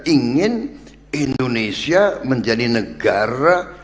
ingin indonesia menjadi negara